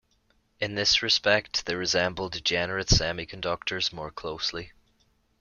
In this respect they resemble degenerate semiconductors more closely.